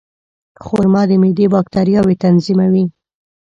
خرما د معدې باکتریاوې تنظیموي.